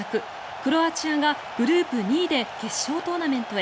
クロアチアがグループ２位で決勝トーナメントへ。